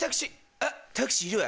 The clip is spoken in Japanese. あっタクシーいるわ。